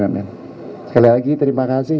sekali lagi terima kasih